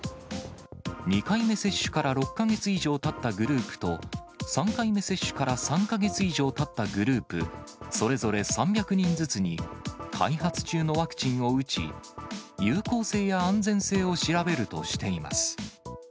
２回目接種から６か月以上たったグループと、３回目接種から３か月以上たったグループ、それぞれ３００人ずつに、開発中のワクチンを打ち、有効性や安全性を調べるとしています。